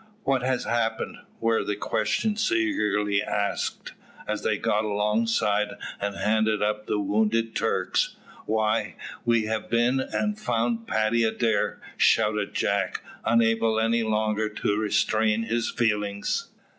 what has happened?" were the questions eagerly asked, as they got alongside and handed up the wounded Turks. "Why, we have been and found Paddy Adair," shouted Jack, unable any longer to restrain his feelings.